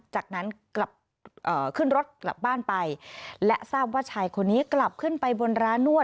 จากนั้นกลับขึ้นรถกลับบ้านไปและทราบว่าชายคนนี้กลับขึ้นไปบนร้านนวด